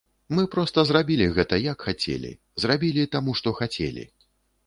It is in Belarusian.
Мы проста зрабілі гэта, як хацелі, зрабілі таму, што хацелі.